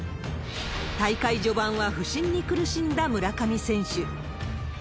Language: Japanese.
大会序盤は不振に苦しんだ村上選手。